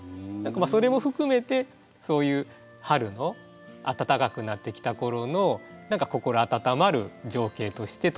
それも含めてそういう春の暖かくなってきた頃の何か心温まる情景として取ってもらえたらなと思います。